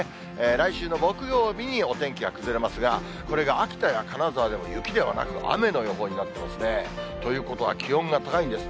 来週の木曜日にお天気が崩れますが、これが秋田や金沢でも、雪ではなく雨の予報になってますね。ということは、気温が高いんです。